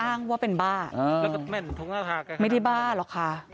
อ้างว่าเป็นบ้าเออไม่ได้บ้าหรอกค่ะ